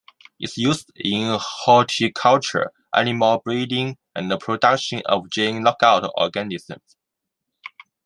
It is used in horticulture, animal breeding and in production of gene knockout organisms.